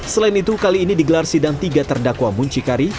selain itu kali ini digelar sidang tiga terdakwa muncikari